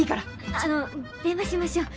あの電話しましょう。